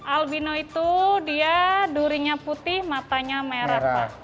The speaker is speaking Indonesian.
albino itu dia durinya putih matanya merah